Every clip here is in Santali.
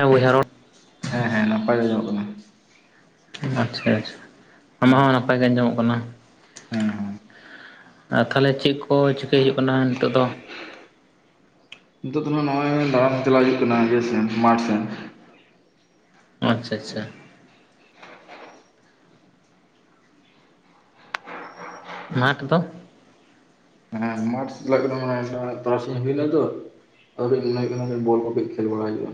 ᱦᱮ ᱵᱚᱭᱦᱟ ᱨᱚᱲ ᱦᱮᱸ ᱦᱮᱸ ᱱᱟᱯᱟᱭ ᱟᱡᱟᱢᱚᱜ ᱠᱟᱱᱟ ᱟᱪᱪᱷᱟ ᱟᱪᱪᱷᱟ ᱟᱢᱟᱜ ᱦᱚᱸ ᱱᱟᱯᱟᱭ ᱜᱮ ᱟᱸᱡᱚᱢᱚᱜ ᱠᱟᱱᱟ ᱦᱩᱸ ᱦᱩᱸ ᱟᱨ ᱛᱟᱦᱞᱮ ᱪᱮᱫ ᱠᱚ ᱪᱤᱠᱟᱹᱭ ᱦᱩᱭᱩᱜ ᱠᱟᱱᱟ ᱱᱤᱛᱚᱜ ᱫᱚ ᱱᱤᱛᱚᱜ ᱫᱚ ᱱᱚᱜ-ᱚᱭ ᱫᱟᱬᱟᱱ ᱪᱟᱞᱟᱜ ᱦᱩᱭᱩᱜ ᱠᱟᱱᱟ ᱤᱭᱟᱹ ᱥᱮᱱ ᱢᱟᱴᱷ ᱥᱮᱱ ᱟᱪᱪᱷᱟ ᱟᱪᱪᱷᱟ ᱢᱟᱴᱷ ᱫᱚ ᱦᱮᱸ ᱢᱟᱴᱷ ᱪᱟᱞᱟᱜ ᱛᱟᱨᱟᱥᱤᱧ ᱦᱩᱭᱱᱟ ᱛᱚ ᱟᱧ ᱢᱚᱱᱮ ᱠᱟᱱᱟ ᱵᱚᱞ ᱠᱚ ᱠᱟᱹᱡ ᱠᱷᱮᱞ ᱵᱟᱲᱟ ᱦᱩᱭᱩᱜᱼᱟ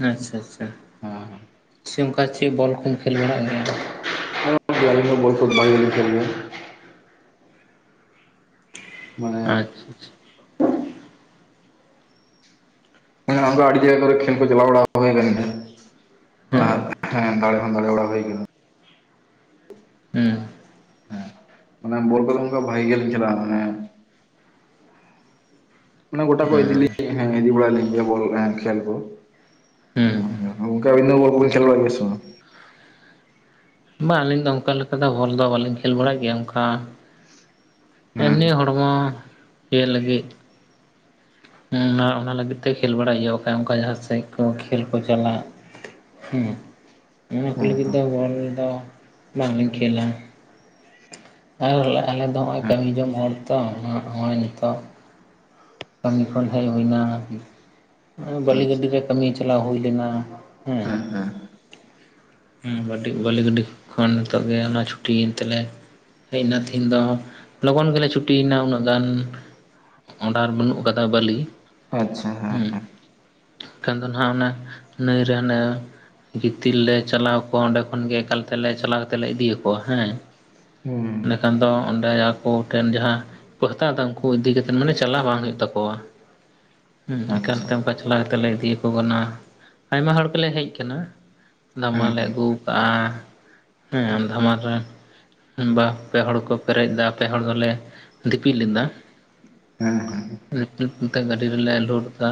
ᱟᱪᱷᱟ ᱟᱪᱷᱟ ᱦᱮᱸᱻ ᱥᱮ ᱚᱱᱠᱟ ᱪᱮᱫ ᱵᱚᱞ ᱠᱚᱢ ᱠᱷᱮᱞ ᱵᱟᱲᱟᱜ ᱜᱮᱭᱟ? [inaudible] ᱫᱚ ᱵᱚᱞ ᱠᱷᱩᱵ [inaudible] ᱠᱷᱮᱞ ᱜᱮᱭᱟ ᱢᱟᱱᱮ ᱟᱪᱷᱟ ᱟᱪᱷᱟ ᱟᱢᱫᱚ ᱟᱹᱰᱤ ᱡᱟᱭᱜᱟ ᱠᱚᱨᱮ ᱠᱷᱮᱞ ᱠᱚ ᱪᱟᱞᱟᱣ ᱵᱟᱲᱟ [unintelligible] ᱦᱩᱸ ᱦᱮᱸ ᱫᱟᱲᱮ ᱦᱚᱸ ᱫᱟᱲᱮ ᱵᱟᱲᱟ ᱦᱩᱭ ᱟᱠᱟᱱᱟ [unintelligible] ᱦᱩᱸ ᱦᱮᱸ [unintelligible] ᱢᱟᱱᱮ ᱜᱚᱴᱟ ᱠᱚ ᱦᱩᱸ ᱫᱤᱞᱤ ᱵᱚᱞ ᱮᱸ ᱠᱷᱮᱞ ᱠᱚ ᱦᱩᱸ ᱚᱱᱠᱟ ᱵᱤᱱ ᱠᱚᱵᱤᱱ ᱠᱷᱮᱞᱣᱟᱲ ᱜᱮᱭᱟ ᱥᱮ ᱵᱟᱝ ᱵᱟᱝ ᱟᱹᱞᱤᱧ ᱫᱚ ᱚᱱᱠᱟ ᱞᱮᱠᱟ ᱫᱚ ᱵᱚᱞ ᱫᱚ ᱵᱟᱞᱤᱧ ᱠᱷᱮᱞ ᱵᱟᱲᱟᱭᱮᱫ ᱜᱮᱭᱟ ᱚᱱᱠᱟ ᱦᱮᱸ ᱮᱢᱱᱤ ᱦᱚᱲᱢᱚ ᱤᱭᱟᱹ ᱞᱟᱹᱜᱤᱫ ᱟᱨ ᱚᱱᱟ ᱞᱟᱹᱜᱤᱫ ᱛᱮ ᱠᱷᱮᱞ ᱵᱟᱲᱟᱭ ᱦᱩᱭᱩᱜ ᱠᱷᱟᱱ ᱚᱱᱠᱟ ᱡᱟᱦᱟᱸ ᱥᱮᱫ ᱠᱚ ᱠᱷᱮᱞ ᱠᱚ ᱪᱟᱞᱟᱜ ᱦᱮᱸ ᱚᱱᱟ ᱠᱚ ᱦᱮᱸ ᱞᱟᱹᱜᱤᱫ ᱦᱮᱸ ᱫᱚ ᱵᱚᱞ ᱫᱚ ᱵᱟᱝᱞᱤᱧ ᱠᱷᱮᱞᱟ ᱟᱨ ᱟᱞᱮ ᱫᱚ ᱱᱚᱜᱼᱚᱭ ᱠᱟᱹᱢᱤ ᱡᱚᱝ ᱦᱚᱲ ᱛᱚ ᱦᱚᱸᱜᱼᱚᱭ ᱱᱤᱛᱚᱜ ᱠᱟᱹᱢᱤ ᱠᱷᱚᱱ ᱦᱮᱡ ᱦᱩᱭᱱᱟ ᱟᱪᱪᱷᱟ ᱵᱟᱹᱞᱤ ᱟᱪᱪᱷᱟ ᱜᱟᱹᱰᱤ ᱨᱮ ᱠᱟᱹᱢᱤ ᱪᱟᱞᱟᱣ ᱦᱩᱭ ᱞᱮᱱᱟ ᱦᱮᱸ ᱵᱟᱹᱞᱤ ᱜᱟᱹᱰᱤ ᱠᱷᱚᱱ ᱱᱤᱛᱚᱜ ᱜᱮ ᱚᱱᱟ ᱪᱷᱩᱴᱤᱭᱮᱱ ᱛᱮᱞᱮ ᱦᱮᱡ ᱮᱱᱟ ᱛᱮᱤᱦᱤᱧ ᱫᱚ ᱞᱚᱜᱚᱱ ᱜᱮᱞᱮ ᱪᱷᱩᱴᱤᱭᱮᱱᱟ ᱩᱱᱟᱹᱜ ᱜᱟᱱ ᱰᱟᱨ ᱵᱟᱹᱱᱩᱜ ᱟᱠᱟᱫᱟ ᱵᱟᱹᱞᱤ ᱟᱪᱷᱟ ᱦᱮᱸ ᱦᱮᱸ ᱮᱱᱠᱷᱟᱱ ᱫᱚ ᱱᱟᱸᱜ ᱚᱱᱮ ᱱᱟᱹᱭ ᱨᱮ ᱦᱟᱱᱮ ᱜᱤᱛᱤᱞ ᱞᱮ ᱪᱟᱞᱟᱣ ᱠᱚᱜ -ᱟ ᱚᱸᱰᱮ ᱠᱷᱚᱱᱜ ᱮᱠᱟᱞ ᱛᱮᱞᱮ ᱪᱟᱞᱟᱣ ᱠᱟᱛᱮ ᱞᱮ ᱤᱫᱤᱭᱟᱚᱣᱟ ᱦᱮᱸ ᱦᱩᱸ ᱮᱸᱰᱮ ᱠᱷᱟᱱ ᱫᱚ ᱚᱸᱰᱮ ᱟᱠᱚ ᱴᱷᱮᱱ ᱡᱟᱦᱟᱸ ᱠᱚ ᱦᱟᱛᱟᱣ ᱮᱟ ᱩᱱᱠᱩ ᱤᱫᱤ ᱠᱟᱛᱮ ᱢᱟᱱᱮ ᱪᱟᱞᱟᱜ ᱵᱟᱝ ᱦᱩᱭᱩᱜ ᱛᱟᱠᱚᱣᱟ ᱮᱠᱟᱞ ᱟᱪᱪᱷᱟ ᱛᱮ ᱚᱱᱠᱟ ᱛᱞᱟ ᱠᱟᱛᱮᱞ ᱞᱮ ᱤᱫᱤᱭᱟᱚ ᱠᱟᱱᱟ ᱟᱭᱢᱟ ᱦᱚᱲ ᱜᱮᱞᱮ ᱦᱮᱡ ᱟᱠᱟᱱᱟ ᱫᱷᱟᱢ ᱦᱮᱸ ᱞᱮ ᱟᱹᱜᱩ ᱠᱟᱜᱼᱟ ᱦᱮᱸ ᱫᱷᱟᱢᱟᱞ ᱨᱮ ᱵᱟ ᱯᱮ ᱦᱚᱲ ᱠᱚ ᱯᱮᱨᱮᱡ ᱮᱟ ᱯᱮ ᱦᱚᱲ ᱫᱚᱞᱮ ᱫᱤᱯᱤᱞ ᱞᱮᱫᱟ ᱦᱮᱸ ᱦᱮᱸ ᱩᱸᱜ ᱩᱸᱜ ᱩᱱᱠᱟ ᱜᱟᱹᱰᱤ ᱨᱮᱞᱮ ᱞᱚᱰ ᱮᱫᱟ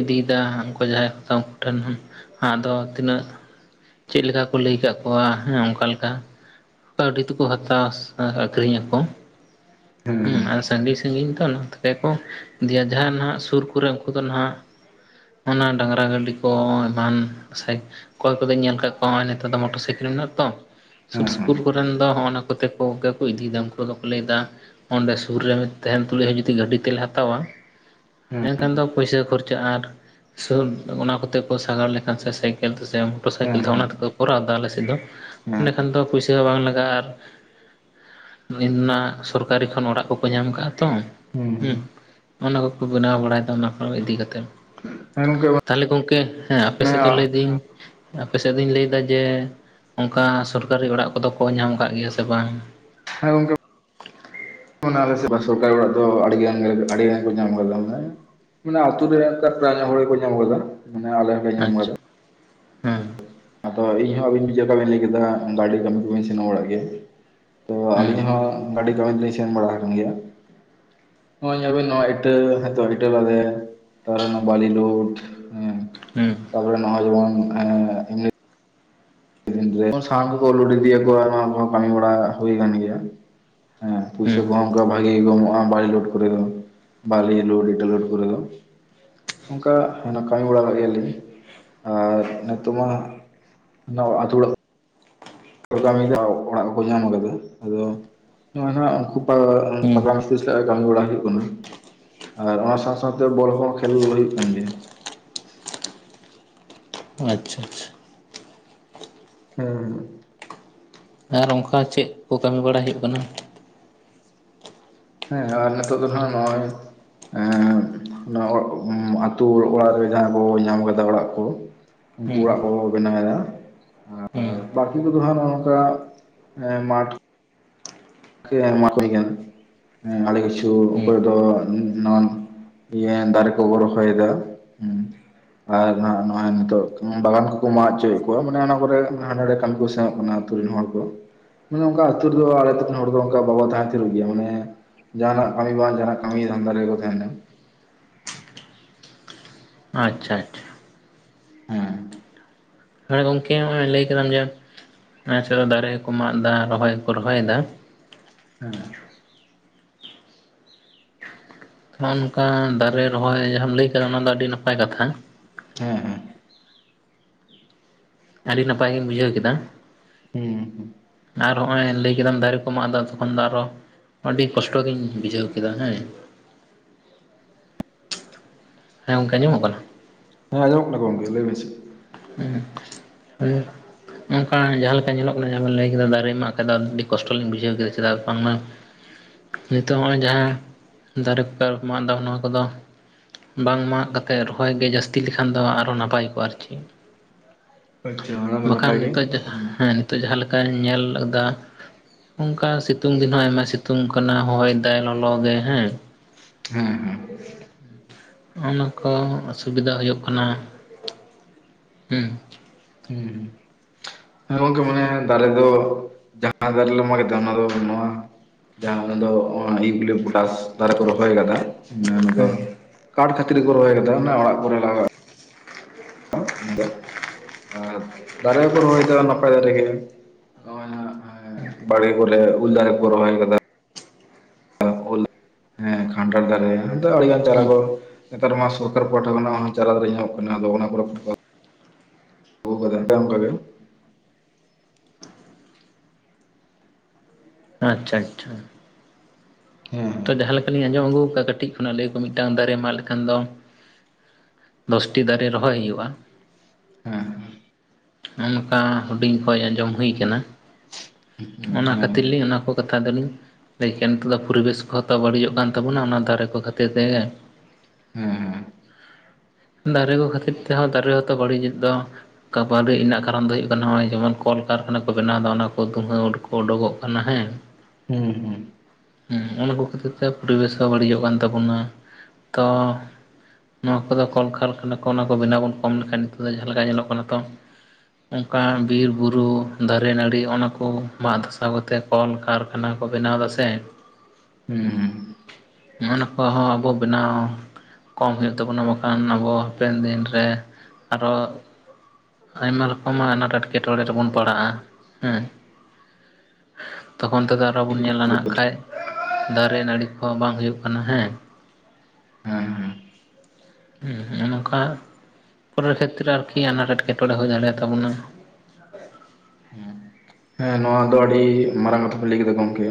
ᱤᱫᱤᱭᱮᱫᱟ ᱩᱱᱠᱩ ᱡᱟᱦᱟᱸᱭ ᱠᱚ ᱩᱱᱠᱩ ᱴᱷᱮᱱ ᱟᱫᱚ ᱛᱤᱱᱟᱹᱜ ᱪᱮᱫ ᱞᱮᱠᱟ ᱠᱚ ᱞᱟᱹᱭ ᱟᱠᱟᱫ ᱠᱚᱣᱟ ᱦᱮᱸ ᱚᱱᱠᱟ ᱞᱮᱠᱟ? ᱠᱟᱹᱣᱰᱤ ᱛᱮᱠᱚ ᱦᱟᱛᱟᱣᱟ ᱟᱠᱷᱨᱤᱧ ᱟᱠᱚ ᱦᱮᱸ ᱦᱮᱸ ᱟᱨ ᱥᱟᱺᱜᱤᱧ ᱥᱟᱺᱜᱤᱧ ᱫᱚ ᱚᱱᱟ ᱛᱮᱜᱮ ᱜᱮ ᱠᱚ ᱤᱫᱤᱭᱟ ᱡᱟᱦᱟᱸᱭᱱᱟᱜ ᱥᱩᱨ ᱠᱚᱨᱮ ᱩᱱᱠᱩ ᱫᱚ ᱱᱟᱜ ᱚᱱᱟ ᱰᱟᱝᱨᱟ ᱜᱟᱹᱰᱤ ᱠᱚ ᱮᱢᱟᱱ ᱥᱮ ᱚᱠᱚᱭ ᱠᱚᱫᱚᱧ ᱧᱮᱞ ᱟᱠᱟᱫ ᱠᱚᱣᱟ ᱱᱚᱜᱼ ᱱᱮᱛᱟᱨ ᱫᱚ ᱢᱚᱴᱚᱨ ᱥᱟᱭᱠᱮᱞ ᱢᱮᱱᱟᱜ-ᱟ ᱛᱚ ᱦᱮᱸ ᱦᱮᱸ ᱥᱩᱨ ᱥᱠᱯᱩᱨ ᱠᱚᱨᱮᱱ ᱫᱚ ᱦᱚᱜᱼᱱᱟ ᱠᱚᱛᱮ ᱜᱮᱠᱚ ᱤᱫᱤᱭᱮᱫᱟ ᱩᱱᱠᱩ ᱫᱚᱠᱚ ᱞᱟᱹᱭᱮᱫᱟ ᱚᱸᱰᱮ ᱥᱩᱨ ᱨᱮ ᱛᱟᱦᱮᱱ ᱛᱩᱞᱩᱡ ᱦᱚᱸ ᱡᱩᱫᱤ ᱜᱟᱹᱰᱤ ᱛᱮᱞᱮ ᱦᱟᱛᱟᱣᱟ ᱮᱱᱠᱷᱟᱱ ᱫᱚ ᱯᱩᱭᱥᱟᱹ ᱠᱷᱚᱨᱪᱟᱜ-ᱟ ᱟᱨ ᱥᱩᱨ ᱚᱱᱟ ᱠᱚᱛᱮ ᱠᱚ ᱥᱟᱜᱟᱲ ᱞᱮᱠᱷᱟᱱ ᱥᱮ ᱥᱟᱭᱠᱮᱞ ᱥᱮ ᱢᱚᱴᱚᱨ ᱦᱮᱸ ᱦᱮᱸ ᱥᱟᱭᱠᱮᱞ ᱛᱮ ᱦᱮᱸ ᱚᱱᱟ ᱛᱮᱠᱚ ᱠᱚᱨᱟᱣ ᱮᱫᱟ ᱟᱞᱮ ᱥᱮᱫ ᱫᱚ ᱦᱮᱸ ᱤᱱᱟ. ᱠᱷᱟᱱ ᱫᱚ ᱯᱩᱭᱥᱟᱹ ᱦᱚᱸ ᱵᱟᱝ ᱞᱟᱜᱟᱜᱼᱟ ᱟᱨ ᱚᱱᱟ ᱥᱚᱨᱠᱟᱨᱤ ᱠᱷᱚᱱ ᱚᱲᱟᱜ ᱠᱚᱠᱚ ᱧᱟᱢ ᱟᱠᱟᱫᱟᱼᱟ ᱛᱤᱧ ᱦᱩᱸ ᱩᱸ ᱚᱱᱟ ᱠᱚᱠᱚ ᱵᱮᱱᱟᱣ ᱵᱟᱲᱟᱭᱮᱫᱟ ᱚᱱᱟ ᱠᱚ ᱤᱫᱤ ᱠᱟᱛᱮ [unintelligible] ᱛᱟᱦᱚᱞᱮ ᱜᱚᱢᱠᱮ ᱦᱮᱸ ᱟᱯᱮ ᱢᱟᱱᱮ ᱥᱮᱫ ᱫᱚ ᱞᱟᱹᱭ ᱫᱟᱹᱧ ᱟᱯᱮ ᱥᱮᱫ ᱫᱚᱩᱧ ᱞᱟᱹᱭᱫᱟ ᱡᱮ ᱚᱱᱠᱟ ᱥᱚᱨᱠᱟᱨᱤ ᱚᱲᱟᱜ ᱠᱚᱫᱚ ᱠᱚ ᱧᱟᱢ ᱟᱠᱟᱜ ᱜᱮᱭᱟ ᱥᱮ ᱵᱟᱝ? ᱦᱮᱸ ᱜᱚᱢ ᱚᱱᱟ ᱥᱚᱨᱠᱟᱨᱤ ᱚᱲᱟᱜ ᱫᱚ ᱟᱹᱰᱤᱜᱟᱱ ᱟᱹᱰᱤᱜᱟᱱ ᱠᱚ ᱧᱟᱢ ᱟᱠᱟᱫᱟ ᱵᱚᱞᱮ ᱢᱟᱱᱮ ᱟᱛᱩᱨ ᱨᱮ ᱚᱱᱠᱟ ᱯᱨᱟᱭᱟᱱᱚ ᱦᱚᱲ ᱠᱚ ᱧᱟᱢ ᱟᱠᱟᱫᱟ ᱢᱟᱱᱮ ᱟᱞᱮ ᱦᱚᱸᱞᱮ ᱧᱟᱢ ᱠᱟᱫᱟ ᱟᱪᱪᱷᱟ ᱦᱮᱸ ᱦᱚᱭ ᱤᱧᱦᱚᱸ ᱟᱫᱚ ᱤᱧᱦᱚᱸ ᱟᱵᱤᱱ ᱵᱤᱡᱠᱟ ᱵᱮᱤᱱ ᱞᱟᱹᱭ ᱠᱮᱫᱟ ᱟᱹᱰᱤᱰᱤ ᱠᱟᱹᱢᱤ ᱠᱚᱵᱤᱱ ᱥᱮᱱᱚᱜ ᱵᱟᱲᱟᱜ ᱜᱮᱭᱟ ᱛᱚ ᱦᱮᱸ ᱟᱹᱞᱤᱧ ᱦᱚᱸ ᱜᱟᱹᱰᱤ ᱠᱟᱜᱡᱽᱞᱤᱧ ᱥᱮᱱ ᱵᱟᱲᱟ ᱟᱠᱟᱱ ᱜᱮᱭᱟ ᱱᱚᱜᱚᱭ ᱧᱮᱞᱵᱤᱱ ᱱᱚᱣᱟ ᱤᱴᱟᱹ ᱦᱚᱭᱛᱚ ᱤᱴᱟᱹ ᱵᱟᱫᱮ ᱛᱟᱨᱮ ᱱᱚᱣᱟ ᱵᱟᱞᱤ ᱞᱩᱰ ᱦᱩᱸ ᱛᱟᱯᱚᱨᱮ ᱱᱚᱣᱟ ᱟᱞᱳᱲᱳᱱ ᱢᱟᱱᱮ ᱮᱢᱱᱤ ᱡᱚᱛᱚ ᱥᱟᱶ ᱜᱮᱠᱚ ᱞᱳᱰ ᱤᱫᱤᱭᱟ ᱠᱚᱣᱟ ᱟᱫᱚ ᱠᱟᱹᱢᱤ ᱱᱟᱲᱟ ᱦᱩᱭ ᱜᱟᱱ ᱜᱮᱭᱟ ᱦᱮᱸ ᱯᱩᱭᱥᱟᱹ ᱠᱚᱦᱚᱸ ᱚᱱᱠᱟ ᱵᱷᱟᱜᱤ ᱜᱮ ᱠᱚᱢᱚᱜᱼᱟ ᱵᱟᱞᱤ ᱞᱳᱰ ᱠᱚᱨᱮ ᱫᱚ ᱵᱟᱞᱤ ᱞᱳᱰ ᱮᱴᱟ. ᱞᱳᱰ ᱠᱚᱨᱮ ᱫᱚ ᱚᱱᱠᱟ ᱦᱟᱱᱟ ᱠᱟᱹᱢᱤ ᱵᱟᱲᱟ ᱜᱮᱭᱟᱞᱤᱧ ᱟᱨ ᱱᱤᱛᱚᱜ ᱢᱟ ᱦᱟᱜ ᱚᱱᱟ ᱟᱛᱩ ᱚᱲᱟᱜ ᱠᱟᱹᱢᱤ ᱫᱚ ᱚᱲᱟᱜ ᱠᱚᱠᱚ ᱧᱟᱢ ᱠᱟᱫᱟ ᱟᱫᱚ ᱱᱚᱣᱟ ᱦᱟᱜ ᱦᱮᱸ ᱯᱟᱠᱟ ᱢᱤᱥᱛᱤᱨᱤ ᱥᱟᱞᱟᱜ ᱠᱟᱹᱢᱤ ᱵᱟᱲᱟ ᱦᱩᱭᱩᱜ ᱠᱟᱱᱟ ᱟᱨ ᱚᱱᱟ ᱥᱟᱶ ᱥᱟᱶᱛᱮ ᱵᱚᱞ ᱦᱚᱸ ᱠᱷᱮᱞ ᱦᱩᱭᱩᱜ ᱠᱟᱱ ᱜᱮᱭᱟ ᱟᱪᱪᱷᱟ ᱟᱪᱪᱷᱟ ᱦᱮᱸ ᱟᱨ ᱚᱱᱠᱟ ᱪᱮᱫ ᱠᱚ ᱠᱟᱹᱢᱤ ᱵᱟᱲᱟᱭ ᱦᱩᱭᱩᱜ ᱠᱟᱱᱟ? ᱦᱮᱸ ᱟᱨ ᱱᱮᱛᱚᱜ ᱫᱚᱱ ᱦᱟᱸᱜ ᱱᱚᱜᱼᱚᱭ ᱮᱸ ᱱᱚᱣᱟ ᱟᱹᱛᱩ ᱚᱲᱟᱜ ᱨᱮ ᱡᱟᱦᱟᱸ ᱵᱚ ᱧᱟᱢ ᱠᱟᱫᱟ ᱚᱲᱟᱜ ᱠᱚ ᱩᱱᱠᱩ ᱦᱮᱸ ᱚᱲᱟᱜ ᱠᱚᱠᱚ ᱵᱮᱱᱟᱣ ᱮᱫᱟ ᱟᱨ ᱦᱮᱸ ᱵᱟᱠᱤ ᱠᱚᱫᱚ ᱦᱟᱸᱜ ᱱᱚᱸᱜ ᱱᱚᱝᱠᱟ ᱢᱟᱴᱷ ᱠᱮ ᱟᱭᱢᱟ ᱦᱩᱭ ᱟᱠᱟᱱ ᱟᱰᱤ ᱠᱤᱪᱷᱩ ᱦᱮᱸ ᱚᱠᱚᱭ ᱫᱚ ᱱᱟᱱ ᱤᱭᱟᱹ ᱫᱟᱨᱮ ᱠᱚᱠᱚ ᱨᱚᱦᱚᱭᱮᱫᱟ ᱦᱮᱸ ᱟᱨ ᱱᱟᱜ ᱱᱚᱜᱼᱚᱭ ᱱᱤᱛᱚᱜ ᱵᱟᱜᱟᱱ ᱠᱚᱠᱚ ᱢᱟᱜ ᱦᱚᱪᱚᱭᱮᱫ ᱠᱚᱣᱟ ᱢᱟᱱᱮ ᱚᱱᱟ ᱠᱚᱨᱮ ᱦᱟᱸᱰᱮ ᱱᱟᱸᱰᱮ ᱠᱟᱢᱤ ᱠᱚ ᱥᱮᱱᱚᱜ ᱠᱟᱱᱟ ᱦᱚᱲ ᱠᱚ ᱢᱟᱱᱮ ᱚᱱᱠᱟ ᱟᱹᱛᱩ ᱨᱮᱫᱚ ᱟᱞᱮ ᱟᱹᱛᱩ ᱨᱮᱱ ᱦᱚᱲ ᱚᱱᱠᱟ ᱵᱟᱵᱚ ᱛᱟᱦᱮᱸ ᱛᱷᱤᱨᱚᱜ ᱜᱮᱭᱟ ᱢᱟᱱᱮ ᱡᱟᱦᱟᱱᱟᱜ ᱠᱟᱹᱢᱤ ᱵᱟᱝ ᱡᱟᱦᱟᱱᱟᱜ ᱠᱟᱹᱢᱤ ᱫᱷᱟᱱᱫᱟ ᱨᱮᱜᱮ ᱠᱚ ᱛᱟᱦᱮᱱᱟ᱾ ᱟᱪᱪᱷᱟ ᱟᱪᱪᱷᱟ ᱦᱮᱸ ᱦᱮᱸ ᱜᱚᱝᱠᱮ ᱦᱚᱸᱜᱼᱚᱭ ᱞᱟᱹᱭ ᱠᱮᱫᱟᱢ ᱡᱮ [inaudible] ᱫᱟᱨᱮ ᱠᱩ ᱢᱟᱸᱜ ᱮᱫᱟ ᱨᱚᱦᱚᱭ ᱦᱚᱠᱚ ᱨᱚᱦᱚᱭ ᱮᱫᱟ᱾ ᱦᱮᱸ ᱱᱚᱜ-ᱚ ᱱᱚᱝᱠᱟᱱ ᱫᱟᱨᱮ ᱨᱚᱦᱚᱭ ᱡᱟᱦᱟᱸᱟᱢ ᱞᱟᱹᱭ ᱟᱠᱟᱫᱟ ᱚᱱᱟ ᱫᱚ ᱟᱹᱰᱤ ᱱᱟᱯᱟᱭ ᱠᱟᱛᱷᱟ᱾ ᱦᱮᱸ ᱦᱮᱸ ᱟᱹᱰᱤ ᱱᱟᱯᱟᱭ ᱜᱮᱧ ᱵᱩᱡᱷᱟᱹᱣ ᱠᱮᱫᱟ᱾ ᱦᱮᱸ ᱦᱮᱸ ᱟᱨ ᱦᱚᱸᱜᱼᱚᱭ ᱞᱟᱹᱭ ᱠᱮᱫᱟᱢ ᱫᱟᱨᱮ ᱠᱚ ᱢᱟᱸᱜ ᱮᱫᱟ ᱛᱚᱠᱷᱚᱱ ᱫᱚ ᱟᱨᱚ ᱟᱹᱰᱤ ᱠᱚᱥᱴᱚ ᱜᱤᱧ ᱵᱩᱡᱷᱟᱹᱣ ᱠᱮᱫᱟ ᱦᱮᱸ ᱦᱮᱸ ᱜᱚᱢᱠᱮ ᱟᱸᱡᱚᱢᱚᱜ ᱠᱟᱱᱟ? ᱦᱮᱸ ᱟᱸᱡᱚᱢᱚᱜ ᱠᱟᱱᱟ ᱜᱚᱢᱠᱮ ᱞᱟᱹᱭ ᱵᱮᱱ ᱥᱮ [unintelligible] ᱱᱚᱝᱠᱟ ᱡᱟᱦᱟᱸ ᱞᱮᱠᱟ ᱧᱮᱞᱚᱜ ᱠᱟᱱᱟ ᱡᱟᱦᱟᱸ ᱵᱮᱱ ᱞᱟᱹᱭ ᱠᱮᱫᱟ ᱫᱟᱨᱮ ᱢᱟᱸᱜ ᱠᱷᱟᱡ ᱫᱚ ᱟᱹᱰᱤ ᱠᱚᱥᱴᱚ ᱞᱤᱧ ᱵᱩᱡᱷᱟᱹᱣ ᱠᱮᱫᱟ ᱪᱮᱫᱟᱜ ᱵᱟᱝᱢᱟ ᱱᱤᱛᱚᱜ ᱦᱚᱸᱜᱼᱚᱭ ᱡᱟᱦᱟᱸ ᱫᱟᱨᱮ ᱠᱚᱯᱮ ᱢᱟᱸᱜ ᱮᱫᱟ ᱱᱚᱣᱟ ᱠᱚᱫᱚ ᱵᱟᱝ ᱢᱟᱸᱜ ᱠᱟᱛᱮᱫ ᱨᱚᱦᱚᱭ ᱜᱮ ᱡᱟᱹᱥᱛᱤ ᱞᱮᱠᱷᱟᱱ ᱫᱚ ᱟᱨᱦᱚ ᱱᱟᱯᱟᱭ ᱠᱚᱜᱼᱟ ᱟᱨᱠᱤ᱾ ᱟᱪᱪᱷᱟ᱾ ᱢᱟ ᱵᱟᱠᱷᱟᱱ ᱱᱟᱯᱟᱭ ᱜᱮ ᱱᱤᱛᱚᱜ ᱡᱟᱦᱟᱸ ᱦᱮᱸ ᱱᱤᱛᱚᱜ ᱡᱟᱦᱟᱸ ᱞᱮᱠᱟᱧ ᱧᱮᱞ ᱮᱫᱟ ᱚᱱᱠᱟ ᱥᱤᱛᱩᱝ ᱫᱤᱱ ᱦᱚᱸ ᱟᱭᱢᱟ ᱥᱤᱛᱩᱝ ᱠᱟᱱᱟ ᱦᱚᱭ ᱫᱟᱭ ᱞᱚᱞᱚᱜᱮ ᱦᱮᱸ ᱦᱮᱸ ᱦᱮᱸ ᱚᱱᱟ ᱠᱚ ᱚᱥᱩᱵᱤᱫᱟ ᱦᱩᱭᱩᱜ ᱠᱟᱱᱟ᱾ [inaudible] ᱦᱩᱸ ᱦᱩᱸᱻ ᱦᱮᱸ ᱜᱚᱝᱠᱮ ᱢᱟᱱᱮ ᱫᱟᱨᱮ ᱫᱚ ᱡᱟᱦᱟᱸ ᱫᱟᱨᱮ ᱞᱮ ᱢᱟᱸᱜ ᱮᱫᱟ ᱚᱱᱟ ᱫᱚ ᱱᱚᱣᱟ ᱡᱟᱦᱟᱸᱫᱚ ᱱᱚᱣᱟ ᱤᱭᱩᱠᱤᱞᱳᱯᱚᱴᱟᱥ ᱫᱟᱨᱮ ᱠᱚ ᱨᱚᱦᱚᱭ ᱠᱟᱫᱟ ᱢᱟᱱᱮ ᱚᱱᱟ ᱫᱚ ᱦᱮᱸ ᱠᱟᱴ ᱠᱷᱟᱹᱛᱤᱨ ᱜᱮᱠᱚ ᱨᱚᱦᱚᱭ ᱟᱠᱟᱫᱟ ᱢᱟᱱᱮ ᱚᱲᱟᱜ ᱠᱚᱨᱮ ᱞᱟᱜᱟᱜ [inaudible] ᱟᱨ ᱫᱟᱨᱮ ᱦᱚᱸᱠᱚ ᱨᱚᱦᱚᱭ ᱫᱟ ᱱᱟᱯᱟᱭ ᱫᱟᱨᱮ ᱠᱚ ᱜᱮ ᱱᱚᱜᱼᱚᱭ [unintelligible] ᱵᱟᱲᱜᱮ ᱠᱚᱨᱮ ᱩᱞ ᱫᱟᱨᱮ ᱠᱚ ᱨᱚᱦᱚᱭ ᱠᱟᱫᱟ ᱦᱮᱸ ᱠᱷᱟᱱᱴᱟᱨ ᱫᱟᱨᱮ, ᱟᱹᱰᱤᱜᱟᱱ ᱪᱟᱨᱟ ᱦᱩᱸ ᱠᱚ ᱱᱮᱛᱟᱨ ᱢᱟ ᱥᱚᱨᱠᱟᱨ ᱯᱟᱦᱴᱟ ᱠᱷᱚᱱᱟᱜ ᱦᱚᱸ ᱪᱟᱨᱟ ᱫᱚ ᱧᱟᱢᱚᱜ ᱠᱟᱱᱟ ᱟᱫᱚ ᱚᱱᱟ [unintelligible] ᱟᱪᱪᱷᱟ ᱟᱪᱪᱷᱟ ᱦᱮᱸ ᱛᱚ ᱡᱟᱦᱟᱸ ᱞᱮᱠᱟ ᱞᱤᱧ ᱟᱸᱡᱚᱢ ᱟᱹᱜᱩ ᱟᱠᱟᱫ ᱠᱟᱹᱴᱤᱡ ᱠᱷᱚᱱᱟᱜ ᱞᱟᱹᱭ ᱟᱠᱚ ᱢᱤᱫᱴᱟᱝ ᱫᱟᱨᱮ ᱢᱟᱜ ᱞᱮᱠᱷᱟᱱ ᱫᱚ ᱫᱚᱥᱴᱤ ᱫᱟᱨᱮ ᱨᱚᱦᱚᱭ ᱦᱩᱭᱩᱜᱼᱟ ᱦᱮᱸ ᱱᱚᱝᱠᱟ ᱦᱩᱰᱤᱧ ᱠᱷᱚᱡ ᱟᱸᱡᱚᱢ ᱦᱩᱭ ᱠᱟᱱᱟ᱾ ᱦᱮᱸ ᱦᱮᱸ ᱚᱱᱟ ᱦᱮᱸ ᱠᱷᱟᱹᱛᱤᱨ ᱞᱤᱧ ᱚᱱᱟ ᱠᱚ ᱠᱟᱛᱷᱟ ᱫᱚᱞᱤᱧ ᱞᱟᱹᱭ ᱠᱮᱭᱟ ᱱᱤᱛᱚᱜ ᱫᱚ ᱯᱩᱨᱤᱵᱮᱥ ᱠᱚ ᱦᱚᱸ ᱛᱚ ᱵᱟᱹᱲᱤᱡᱚᱜ ᱠᱟᱱ ᱛᱟᱵᱚᱱᱟ ᱚᱱᱟ ᱫᱟᱨᱮ ᱠᱚ ᱠᱷᱟᱹᱛᱤᱨ ᱛᱮᱜᱮ᱾ ᱦᱮᱸ ᱦᱮᱸ ᱫᱟᱨᱮ ᱠᱚ ᱠᱷᱟᱹᱛᱤᱨ ᱛᱮᱦᱚᱸ ᱫᱟᱨᱮ ᱦᱚᱸᱛᱚ ᱵᱟᱹᱲᱤᱡᱚᱜ ᱫᱚ ᱵᱟᱹᱨᱤᱡ ᱨᱮᱱᱟᱜ ᱠᱟᱨᱚᱱ ᱫᱚ ᱦᱩᱭᱩᱜ ᱠᱟᱱᱟ ᱱᱚᱜᱚᱭ ᱡᱮᱢᱚᱱ ᱠᱚᱞᱠᱟᱨᱠᱷᱟᱱᱟ ᱠᱚ ᱵᱮᱱᱟᱣ ᱮᱫᱟ ᱚᱱᱟ ᱠᱚ ᱫᱩᱦᱟᱹ ᱠᱚ ᱩᱰᱩᱠᱚᱜ ᱠᱟᱱᱟ ᱦᱮᱸ [unintelligible] [unintelligible] ᱚᱱᱟᱠᱚ ᱠᱷᱟᱹᱛᱤᱨ ᱛᱮ ᱯᱚᱨᱤᱵᱮᱥ ᱦᱚᱸ ᱵᱟᱹᱲᱤᱡᱚᱜ ᱠᱟᱱ ᱛᱟᱵᱚᱱᱟ ᱛᱚ ᱱᱚᱣᱟ ᱠᱚᱫᱚ ᱠᱚᱞ ᱠᱟᱨᱠᱷᱟᱱᱟ ᱠᱚ ᱚᱱᱟ ᱠᱚ ᱵᱮᱱᱟᱣ ᱵᱚᱱ ᱠᱚᱢ ᱞᱮᱠᱷᱟᱱ ᱱᱤᱛᱚᱜ ᱫᱚ ᱡᱟᱦᱟᱸ ᱞᱮᱠᱟ ᱧᱮᱞᱚᱜ ᱠᱟᱱᱟ ᱛᱚ ᱚᱱᱠᱟ ᱵᱤᱨ ᱵᱩᱨᱩ ᱫᱟᱨᱮ ᱱᱟᱹᱲᱤ ᱚᱱᱟ ᱠᱚ ᱢᱟᱜ ᱫᱷᱟᱥᱟᱣ ᱠᱟᱛᱮ ᱠᱚᱞ ᱠᱟᱨ ᱠᱷᱟᱱᱟ ᱠᱚ ᱵᱮᱱᱟᱣ ᱫᱟ ᱥᱮ ᱦᱩᱸ ᱦᱩᱸ ᱱᱚᱜᱼᱚ ᱱᱟ ᱠᱚ ᱦᱚᱸ ᱟᱵᱚ ᱵᱮᱱᱟᱣ ᱠᱚᱢ ᱦᱩᱭᱩᱜ ᱛᱟᱵᱚᱱᱟ ᱵᱟᱠᱷᱟᱱ ᱟᱵᱚ ᱦᱟᱯᱮᱱ ᱫᱤᱱ ᱨᱮ ᱟᱨᱚ ᱟᱭᱢᱟ ᱨᱚᱠᱚᱢᱟᱜ ᱟᱱᱟᱴ ᱮᱸᱴᱠᱮᱴᱚᱬᱮᱸ ᱨᱮᱵᱚᱱ ᱯᱟᱲᱟᱜᱼᱟ ᱦᱮᱸ ᱛᱚᱠᱷᱚᱱ ᱛᱮᱫᱚ ᱟᱨᱚ ᱵᱚᱱ ᱧᱮᱞᱟ ᱱᱟᱜ ᱠᱷᱟᱡ ᱫᱟᱨᱮ ᱱᱟᱹᱲᱤ ᱠᱚᱸᱦᱚ ᱵᱟᱝ ᱦᱩᱭᱩᱜ ᱠᱟᱱᱟ ᱦᱮᱸ ᱦᱮᱸ ᱦᱮᱸ ᱦᱮᱸ ᱱᱚᱝᱠᱟ ᱯᱚᱨᱮᱨ ᱠᱷᱮᱛᱨᱮ ᱟᱨᱠᱤ ᱟᱱᱟᱴ ᱮᱸᱴᱠᱮᱴᱚᱬᱮᱸ ᱦᱩᱭ ᱫᱟᱲᱮᱭᱟᱛᱟᱵᱚᱱᱟ ᱦᱩᱸ ᱦᱮᱸ ᱱᱚᱣᱟ ᱫᱚ ᱟᱹᱰᱤ ᱢᱟᱨᱟᱝ ᱠᱟᱛᱷᱟ ᱯᱮ ᱞᱟᱹᱭ ᱠᱮᱫᱟ ᱜᱚᱢᱠᱮ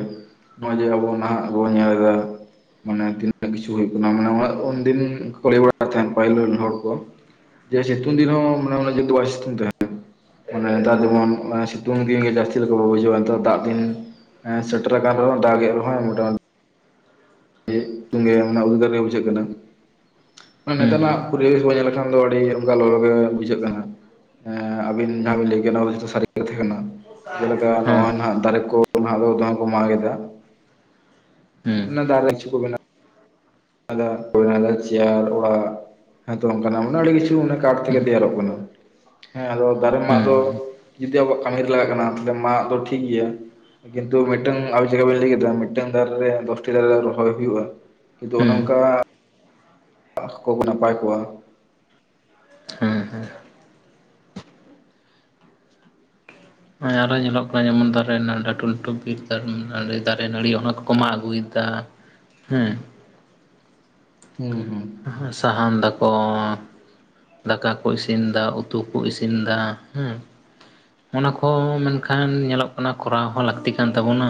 ᱱᱚᱜᱼᱚᱭ ᱡᱮ ᱟᱵᱚ ᱱᱟᱦᱟᱜ ᱵᱚᱱ ᱧᱮᱞᱫᱟ ᱢᱟᱱᱮ ᱛᱤᱱᱟᱹᱜ ᱠᱤᱪᱷᱩ ᱦᱩᱭᱩᱜ ᱠᱟᱱᱟ ᱢᱟᱱᱮ ᱩᱱ ᱫᱤᱱ ᱠᱚ ᱞᱟᱹᱭ ᱵᱟᱲᱟ ᱛᱟᱦᱮᱸᱱ ᱯᱟᱹᱦᱤᱞ ᱨᱮᱱ ᱦᱚᱲ ᱠᱚ ᱡᱮ ᱥᱤᱛᱩᱝ ᱫᱤᱱ ᱦᱚᱸ ᱢᱟᱱᱮ ᱩᱱᱟᱹᱜ ᱡᱳᱨ ᱛᱮᱵᱟᱭ ᱥᱤᱛᱩᱝ ᱛᱟᱦᱮᱸ ᱚᱱᱮ ᱱᱮᱛᱟᱨ ᱡᱮᱢᱚᱱ ᱥᱤᱛᱩᱝ ᱫᱤᱱ ᱜᱮ ᱡᱟᱹᱥᱛᱤ ᱞᱮᱠᱟ ᱵᱩᱡᱷᱟᱹᱣᱟ ᱱᱮᱛᱟᱨ ᱫᱟᱜ ᱫᱤᱱ ᱥᱮᱴᱮᱨ ᱟᱠᱟᱱ ᱨᱮᱦᱚᱸ ᱫᱟᱜᱮᱫ ᱨᱮᱦᱚᱸ ᱢᱚᱴᱟᱢᱩᱴᱤ ᱛᱩᱜᱮ ᱩᱫᱽᱜᱟᱨ ᱜᱮ ᱵᱩᱡᱷᱟᱹᱜ ᱠᱟᱱᱟ ᱢᱟᱱ ᱦᱮᱸ ᱱᱮᱛᱟᱨᱟᱜ ᱯᱚᱨᱤᱵᱮᱥ ᱵᱚᱱ ᱧᱮᱞ ᱞᱮᱠᱷᱟᱱ ᱫᱚ ᱟᱹᱰᱤ ᱚᱱᱠᱟ ᱞᱚᱞᱚ ᱜᱮ ᱵᱩᱡᱷᱟᱹᱜ ᱠᱟᱱᱟ ᱟᱵᱤᱱ ᱡᱟᱦᱟᱸ ᱠᱚ ᱵᱤᱱ ᱞᱟᱹᱭ ᱠᱮᱫ ᱚᱱᱟ ᱠᱚᱫᱚ ᱡᱚᱛᱚ ᱥᱟᱹᱨᱤ ᱠᱟᱛᱷᱟ ᱠᱟᱱᱟ ᱡᱮᱞᱮᱠᱟ ᱦᱮᱸ ᱱᱚᱜ-ᱚᱭ ᱱᱟᱦᱟᱜ ᱫᱟᱨᱮ ᱠᱚ ᱱᱟᱦᱟᱜ ᱫᱚ ᱫᱚᱢᱮ ᱠᱚ ᱢᱟᱜ ᱮᱫᱟ ᱚᱱᱟ ᱦᱮᱸ ᱫᱟᱨᱮ ᱠᱤᱪᱷᱩ ᱠᱚ ᱵᱮᱱᱟ ᱟᱫᱟ ᱚᱭᱱᱟ ᱫᱚ ᱪᱤᱭᱟᱨ ᱚᱲᱟᱜ ᱟᱫᱚ ᱚᱱᱠᱟᱱᱟᱜ ᱚᱱᱮ ᱟᱹᱰᱤ ᱠᱤᱪᱷᱩ ᱠᱟᱴᱷ ᱛᱮᱜᱮ ᱛᱮᱭᱟᱨᱚᱜ ᱠᱟᱱᱟ ᱦᱮᱸ ᱟᱫᱚ ᱫᱟᱨᱮ ᱢᱟᱜ ᱫᱚ ᱦᱩᱸ ᱡᱩᱫᱤ ᱟᱵᱚᱣᱟᱜ ᱠᱟᱹᱢᱤᱨᱮ ᱞᱟᱜᱟᱜ ᱠᱟᱱᱟ ᱛᱟᱦᱚᱞᱮ ᱢᱟᱜ ᱫᱚ ᱴᱷᱤᱠ ᱜᱮᱭᱟ। ᱠᱤᱱᱛᱩ ᱢᱤᱫᱴᱟᱝ ᱟᱵᱚ ᱪᱮᱠᱟ ᱵᱮᱱ ᱞᱟᱹᱭ ᱠᱮᱫᱟ ᱢᱤᱫᱴᱟᱝ ᱫᱟᱨᱮ ᱨᱮ ᱫᱚᱥᱴᱤ ᱫᱟᱨᱮ ᱨᱚᱦᱚᱭ ᱦᱩᱭᱩᱜᱼᱟ ᱠᱤᱱᱛᱩ ᱚᱱᱮ ᱦᱩᱸ ᱚᱱᱠᱟ [inaudible] ᱱᱟᱯᱟᱭ ᱠᱚᱜᱼᱟ ᱦᱮᱸ ᱦᱮᱸ ᱱᱚᱜᱚᱭ ᱟᱨᱚ ᱧᱮᱞᱚᱜ ᱠᱟᱱᱟ ᱡᱮᱢᱚᱱ ᱫᱟᱨᱮ ᱨᱮᱱᱟᱜ ᱞᱟᱹᱴᱩ ᱞᱟᱹᱴᱩ ᱵᱤᱨ ᱫᱟᱨᱮ ᱱᱟ ᱫᱟᱨᱮ ᱱᱟᱹᱲᱤ ᱚᱱᱟ ᱠᱚᱠᱚ ᱢᱟᱜ ᱟᱹᱜᱩᱭᱮᱫᱟ ᱦᱮᱸ ᱦᱩᱸ ᱦᱩᱸ [unintelligible] ᱥᱟᱦᱟᱱ ᱫᱟᱠᱚ ᱫᱟᱠᱟ ᱠᱚ ᱤᱥᱤᱱ ᱫᱟ ᱩᱛᱩ ᱠᱚ ᱤᱥᱤᱱ ᱫᱟ ᱦᱮᱸ ᱚᱱᱟ ᱠᱚ ᱢᱮᱱᱠᱷᱟᱱ ᱧᱮᱞᱚᱜ ᱠᱟᱱᱟ ᱠᱚᱨᱟᱣ ᱦᱚᱸ ᱞᱟᱹᱠᱛᱤ ᱠᱟᱱ ᱛᱟᱵᱚᱱᱟ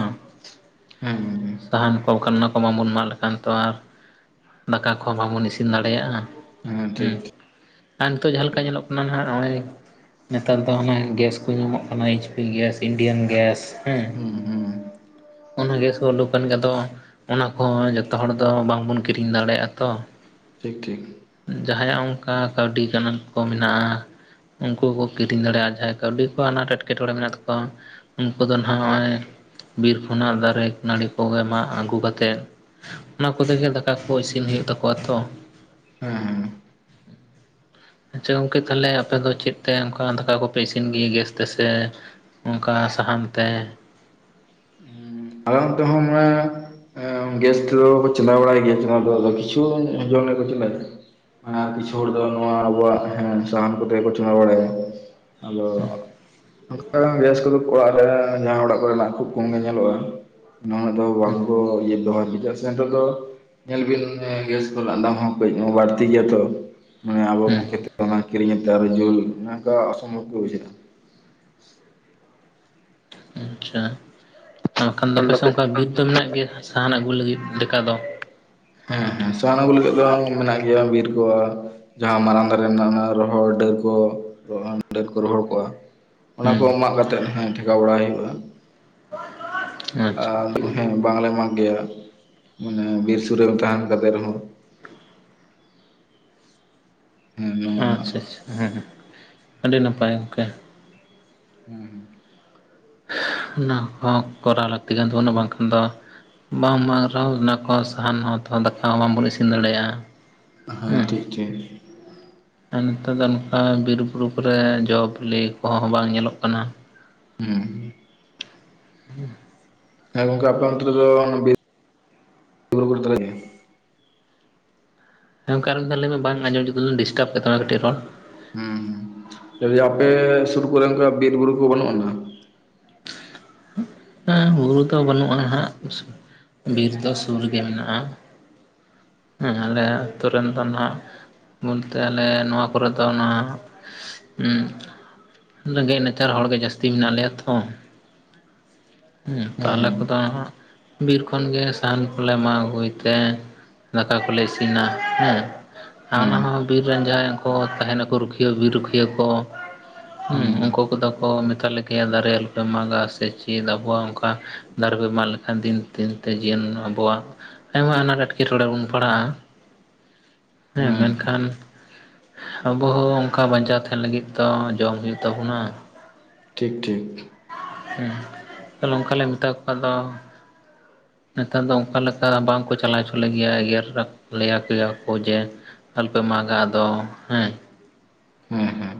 ᱦᱮᱸ ᱦᱮᱸ ᱥᱟᱦᱟᱱ ᱠᱚ ᱠᱟᱱᱟ ᱚᱱᱟ ᱠᱚ ᱵᱟᱝᱵᱚᱱ ᱢᱟᱜ ᱞᱮᱠᱷᱟᱱ ᱛᱚ ᱟᱨ ᱫᱟᱠᱟ ᱠᱚᱦᱚᱸ ᱵᱟᱵᱚᱱ ᱤᱥᱤᱱ ᱫᱟᱲᱮᱭᱟᱜ-ᱟ ᱦᱮᱸ ᱟᱨ ᱱᱤᱛᱚᱜ ᱡᱟᱦᱟᱸ ᱞᱮᱠᱟ ᱧᱮᱞᱚᱜ ᱠᱟᱱᱟ ᱦᱟᱜ ᱱᱚᱜ-ᱚᱭ ᱱᱮᱛᱟᱨ ᱫᱚ ᱦᱟᱱᱟ ᱜᱮᱥ [unintelligible] ᱧᱟᱢᱚᱜ ᱠᱟᱱᱟ H P gas Indian gas ᱦᱮᱸ ᱦᱩᱸ ᱦᱩᱸ ᱚᱱᱟ ᱜᱮᱥ ᱩᱰᱩᱠᱟᱱ ᱜᱮᱫᱚ ᱚᱱᱟ ᱠᱚᱦᱚᱸ ᱡᱚᱛᱚ ᱦᱚᱲ ᱫᱚ ᱵᱟᱝᱵᱚᱱ ᱠᱤᱨᱤᱧ ᱫᱟᱲᱮᱭᱟᱜ-ᱟ ᱛᱚ ᱴᱷᱤᱠ ᱴᱷᱤᱠ ᱡᱟᱦᱟᱸᱭᱟᱜ ᱚᱱᱠᱟ ᱠᱟᱹᱣᱰᱤ ᱜᱟᱱ ᱠᱚ ᱢᱮᱱᱟᱜ-ᱟ ᱩᱱᱠᱩᱠᱚ ᱠᱤᱨᱤᱧ ᱫᱟᱲᱮᱭᱟᱜ-ᱟ ᱡᱟᱠ ᱠᱟᱹᱣᱰᱤ ᱠᱚ ᱟᱱᱟᱴ ᱮᱸᱴᱠᱮᱴᱚᱬᱮ ᱢᱮᱱᱟᱜ ᱛᱟᱠᱚᱣᱟ ᱩᱱᱠᱩ ᱫᱚ ᱱᱟᱦᱟᱜ ᱱᱚᱜ-ᱚᱭ ᱵᱤᱨ ᱠᱷᱚᱱᱟᱜ ᱫᱟᱨᱮ ᱱᱟᱹᱲᱤ ᱠᱚᱜᱮ ᱢᱟᱜ ᱟᱹᱜᱩ ᱠᱟᱛᱮᱫ ᱚᱱᱟ ᱠᱚᱛᱮᱜᱮ ᱫᱟᱠᱟ ᱠᱚ ᱤᱥᱤᱱ ᱦᱩᱭᱩᱜ ᱛᱟᱠᱚᱣᱟ ᱛᱚ ᱦᱮᱸ ᱟᱪᱪᱷᱟ ᱜᱚᱝᱠᱮ ᱛᱟᱦᱚᱞᱮ ᱟᱯᱮ ᱫᱚ ᱪᱮᱫ ᱛᱮ ᱚᱱᱠᱟ ᱫᱟᱠᱟ ᱠᱚᱯᱮ ᱤᱥᱤᱱ ᱜᱮᱭᱟ ᱜᱮᱥ ᱛᱮᱥᱮ ᱚᱱᱠᱟ ᱥᱟᱦᱟᱱᱛᱮ ᱦᱮᱸ ᱟᱞᱮ ᱚᱱᱛᱮ ᱦᱚᱸ ᱢᱟᱱᱮ ᱜᱮᱥ ᱛᱮᱫᱚ ᱪᱟᱞᱟᱣ ᱵᱟᱲᱟᱭ ᱜᱮᱭᱟ ᱪᱟᱞᱟᱣ ᱫᱚ ᱟᱫᱚ ᱠᱤᱪᱷᱩ ᱟᱡᱚᱢ ᱞᱮᱛ ᱠᱚᱣᱟ ᱠᱤᱪᱷᱩ ᱦᱚᱲ ᱫᱚ ᱱᱚᱣᱟ ᱟᱵᱚᱣᱟᱜ ᱥᱟᱦᱟᱱ ᱠᱚᱛᱮ ᱠᱚ ᱪᱚᱸᱫᱟ ᱵᱟᱲᱟᱭᱟ ᱟᱫᱚ ᱚᱱᱠᱟ ᱜᱮᱥ ᱠᱚᱫᱚ ᱚᱲᱟᱜ ᱨᱮ ᱡᱟᱦᱟᱸ ᱚᱲᱟᱜ ᱠᱚᱨᱮᱱᱟᱜ ᱠᱷᱩᱵ ᱠᱚᱢᱜᱮ ᱧᱮᱞᱚᱜ-ᱟ ᱱᱟᱣᱟ ᱫᱚ ᱵᱟᱝᱠᱚ ᱤᱭᱟᱹ ᱵᱮᱦᱟᱨ ᱜᱮᱥ ᱱᱤᱛᱚᱜ ᱫᱚ ᱧᱮᱞ ᱵᱤᱱ ᱜᱮᱥ ᱠᱚᱨᱮᱱᱟᱜ ᱫᱟᱢ ᱦᱚᱸ ᱠᱟᱹᱡ ᱵᱟᱹᱲᱛᱤ ᱜᱮᱭᱟ ᱛᱚ ᱢᱟᱱᱮ ᱟᱵᱚ ᱠᱚ ᱦᱩᱸ ᱠᱷᱮᱛᱱᱟ ᱠᱤᱨᱤᱧ ᱠᱟᱛᱮᱫ ᱟᱨᱚ ᱡᱩᱞ ᱱᱚᱝᱠᱟ ᱚᱥᱚᱢᱵᱷᱚᱵ ᱜᱮ ᱵᱩᱡᱷᱟᱹᱜ-ᱟ ᱟᱪᱪᱷᱟ ᱵᱟᱠᱷᱟᱱ ᱫᱚ ᱟᱯᱮᱥᱮ ᱚᱱᱠᱟ ᱵᱤᱨ ᱫᱚ ᱢᱮᱱᱟᱜ ᱜᱮᱭᱟ ᱥᱟᱦᱟᱱ ᱟᱹᱜᱩ ᱞᱟᱹᱜᱤᱫ ᱰᱮᱠᱟ ᱫᱚ ᱦᱮᱸ ᱦᱮᱸ ᱥᱟᱦᱟᱱ ᱟᱹᱜᱩ ᱞᱟᱹᱜᱤᱫ ᱫᱚ ᱢᱮᱱᱟᱜ ᱜᱮᱭᱟ ᱵᱤᱨ ᱠᱚᱣᱟᱜ ᱡᱟᱦᱟᱸ ᱢᱟᱨᱟᱝ ᱫᱟᱨᱮ ᱨᱮᱱᱟᱜ ᱚᱱᱟ ᱨᱚᱦᱚᱲ ᱰᱟᱹᱨ ᱠᱚ ᱰᱟᱹᱨ ᱠᱚ ᱨᱚᱦᱚᱲ ᱠᱚᱜ-ᱟ ᱚᱱᱟ ᱠᱚ ᱦᱩᱸ ᱢᱟᱜ ᱠᱟᱛᱮᱜ ᱦᱮᱸ ᱴᱷᱮᱠᱟᱣ ᱵᱟᱲᱟᱟᱭ ᱦᱩᱭᱩᱜ-ᱟ [unintelligible] ᱟᱨ ᱦᱮᱸ ᱵᱟᱝᱞᱮ ᱢᱟᱜ ᱜᱮᱭᱟ ᱢᱟᱱᱮ ᱵᱤᱨ ᱥᱩᱨ ᱨᱮ ᱛᱟᱦᱮᱱ ᱠᱟᱛᱮ ᱨᱮᱦᱚᱸ ᱦᱮᱸ ᱱᱚᱣᱟ ᱟᱪᱪᱷᱟ ᱟᱪᱪᱷᱟ ᱦᱮᱸ ᱦᱮᱸ ᱟᱹᱰᱤ ᱱᱟᱯᱟᱭ ᱜᱚᱝᱠᱮ ᱦᱮᱸ ᱦᱮᱸ ᱚᱱᱟ ᱦᱚᱸ ᱠᱚᱨᱟᱣ ᱞᱟᱹᱠᱛᱤ ᱠᱟᱱ ᱛᱟᱵᱚᱱᱟ ᱵᱟᱝᱠᱷᱟᱱ ᱫᱚ ᱵᱟᱝ ᱢᱟᱜᱽᱨᱟᱣ ᱚᱱᱟ ᱠᱚ ᱥᱟᱦᱟᱱ ᱦᱚᱸ ᱛᱚ ᱫᱟᱠᱟ ᱦᱚᱸ ᱵᱟᱵᱚᱱ ᱤᱥᱤᱱ ᱫᱟᱲᱮᱭᱟᱜ-ᱟ ᱦᱮᱸ ᱴᱷᱤᱠ ᱴᱷᱤᱠ ᱟᱨ ᱱᱮᱛᱟᱨ ᱫᱚ ᱱᱚᱝᱠᱟ ᱵᱤᱨ ᱵᱩᱨᱩ ᱠᱚᱨᱮ ᱡᱚ ᱵᱤᱞᱤ ᱠᱚᱦᱚᱸ ᱵᱟᱝ ᱧᱮᱞᱚᱜ ᱠᱟᱱᱟ ᱦᱮᱸ ᱦᱮᱸ ᱜᱚᱝᱠᱮ ᱟᱯᱮ ᱚᱱᱛᱨᱮ ᱫᱚ [inaudible] ᱦᱮ ᱜᱚᱝᱠᱮ ᱟᱨ ᱢᱤᱫᱫᱷᱟᱣ ᱞᱟᱹᱭ ᱢᱮ ᱵᱟᱝ ᱟᱸᱡᱚᱢ ᱡᱚᱫ ᱰᱤᱥᱴᱟᱵ ᱠᱮᱫ ᱛᱟᱢᱟ ᱠᱟᱹᱴᱤᱡ ᱨᱚᱲ ᱦᱮᱸ ᱟᱯᱮ ᱥᱩᱨ ᱠᱚᱨᱮ ᱚᱱᱠᱟ ᱵᱤᱨ ᱵᱩᱨᱩ ᱠᱚ ᱵᱟᱹᱱᱩᱜ ᱟᱱᱟ ᱵᱩᱨᱩ ᱫᱚ ᱵᱟᱹᱱᱩᱜ-ᱟ ᱦᱟᱸᱜ ᱵᱤᱨ ᱫᱚ ᱥᱩᱨ ᱨᱮ ᱜᱮ ᱢᱮᱱᱟᱜ-ᱟ ᱦᱮᱸ ᱟᱞᱮ ᱟᱹᱛᱳ ᱨᱮᱱ ᱫᱚ ᱱᱟᱦᱟᱜ ᱵᱚᱞᱛᱮ ᱟᱞᱮ ᱱᱚᱣᱟ ᱠᱚᱨᱮ ᱫᱚ ᱚᱱᱟ ᱦᱮᱸ ᱨᱮᱸᱜᱮᱡ ᱱᱟᱪᱟᱨ ᱦᱚᱲᱜᱮ ᱡᱟᱹᱥᱛᱤ ᱢᱮᱱᱟᱜ ᱞᱮᱭᱟ ᱛᱚ ᱦᱩᱸ ᱦᱮᱸ ᱛᱟᱦᱞᱮ ᱠᱚᱫᱚ ᱟᱜ ᱵᱤᱨ ᱠᱷᱚᱱᱜᱮ ᱥᱟᱦᱟᱱ ᱠᱚᱞᱮ ᱢᱟᱜ ᱟᱹᱜᱩᱭ ᱛᱮ ᱫᱟᱠᱟ ᱠᱚᱞᱮ ᱤᱥᱤᱱᱟ ᱦᱮᱸ ᱟᱨ ᱦᱮᱸ ᱚᱱᱟᱦᱚᱸ ᱵᱤᱨ ᱨᱮᱱ ᱡᱟᱦᱟᱸᱭ ᱠᱚ ᱛᱟᱦᱮᱱᱟᱠᱚ ᱨᱩᱠᱷᱤᱭᱟᱹ ᱵᱤᱨ ᱨᱩᱠᱷᱤᱭᱟᱹ ᱠᱚ ᱦᱮᱸ ᱩᱱᱠᱩ ᱠᱚᱫᱚ ᱠᱚ ᱢᱮᱛᱟ ᱞᱮ ᱜᱮᱭᱟ ᱫᱟᱨᱮ ᱟᱞᱚᱯᱮ ᱢᱟᱜᱟ ᱥᱮ ᱪᱮᱫ ᱟᱵᱚᱣᱟᱜ ᱚᱱᱠᱟ ᱫᱟᱨᱮ ᱯᱮ ᱢᱟᱜ ᱞᱮᱠᱷᱟᱱ ᱫᱤᱱ ᱫᱤᱱᱛᱮ ᱡᱤᱭᱚᱱ ᱟᱵᱚᱣᱟᱜ ᱟᱭᱢᱟ ᱟᱱᱟᱴ ᱮᱴᱠᱮ ᱮᱴᱠᱮᱴᱚᱬᱮ ᱵᱚᱱ ᱯᱟᱲᱦᱟᱜ-ᱟ ᱦᱮᱸ ᱢᱮᱱᱠᱷᱟᱱ ᱟᱵᱚ ᱦᱚᱸ ᱚᱱᱠᱟ ᱵᱟᱧᱪᱟᱣ ᱛᱟᱦᱮᱱ ᱞᱟᱹᱜᱤᱫ ᱫᱚ ᱡᱚᱢ ᱦᱩᱭᱩᱜ ᱛᱟᱵᱚᱱᱟ ᱴᱷᱤᱠ ᱴᱷᱤᱠ ᱦᱮᱸ [unintelligible] ᱱᱚᱝᱠᱟᱞᱮ ᱢᱮᱛᱟ ᱠᱚᱣᱟ ᱫᱚ ᱱᱮᱛᱟᱨ ᱫᱚ ᱚᱱᱠᱟ ᱞᱮᱠᱟ ᱵᱟᱝᱠᱚ ᱪᱟᱞᱟᱣ ᱦᱚᱪᱚ ᱞᱮᱭᱟ ᱮᱜᱮᱨ ᱞᱮᱭᱟ ᱠᱚᱭᱟ ᱠᱚ ᱡᱮ ᱟᱞᱚᱯᱮ ᱢᱟᱜᱟ ᱟᱫᱚ ᱦᱮᱸ ᱦᱮᱸ ᱦᱮᱸ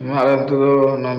ᱱᱚᱣᱟ ᱟᱞᱮ ᱟᱹᱛᱩ ᱫᱚ